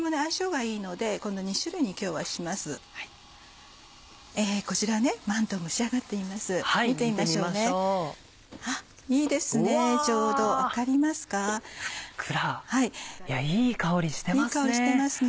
いい香りしてますね。